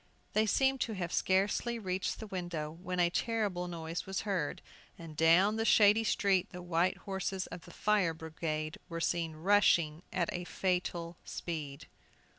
They seemed to have scarcely reached the window, when a terrible noise was heard, and down the shady street the white horses of the fire brigade were seen rushing at a fatal speed!